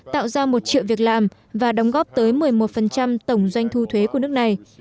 tạo ra một triệu việc làm và đóng góp tới một mươi một tổng doanh thu thuế của nước này